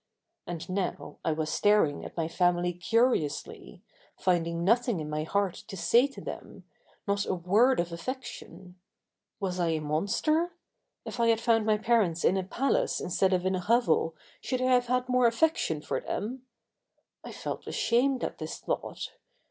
And now I was staring at my family curiously, finding nothing in my heart to say to them, not a word of affection. Was I a monster? If I had found my parents in a palace instead of in a hovel should I have had more affection for them? I felt ashamed at this thought.